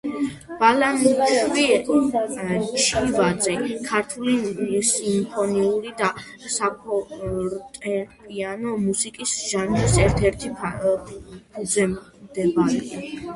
ბალანჩივაძე ქართული სიმფონიური და საფორტეპიანო მუსიკის ჟანრის ერთ-ერთი ფუძემდებელია.